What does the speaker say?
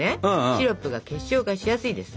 シロップが結晶化しやすいです。